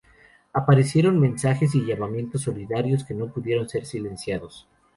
Aparecieron mensajes y llamamientos solidarios que no pudieron ser silenciados.